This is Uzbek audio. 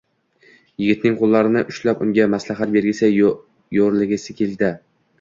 Yigitning qo’llarini ushlab, unga maslahat bergisi, yorilgisi keldi